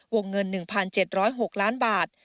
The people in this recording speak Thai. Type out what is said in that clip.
วงเงิน๑๗๐๖ล้านบาท